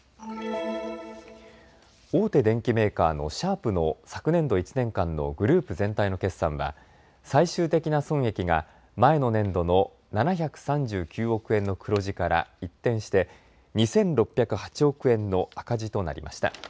大手電機メーカーのシャープの昨年度１年間のグループ全体の決算は最終的な損益が前の年度の７３９億円の黒字から一転して２６０８億円の赤字となりました。